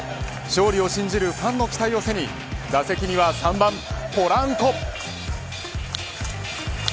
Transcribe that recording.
勝利を信じるファンの期待を背に打席には３番、ポランコ。